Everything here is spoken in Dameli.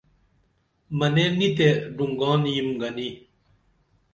منے نی تے ڈونگان یم گنی